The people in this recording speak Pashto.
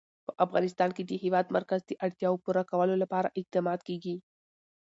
په افغانستان کې د د هېواد مرکز د اړتیاوو پوره کولو لپاره اقدامات کېږي.